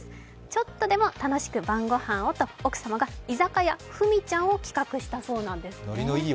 ちょっとでも楽しく晩御飯をと奥様が居酒屋ふみちゃんを企画したそうなんです。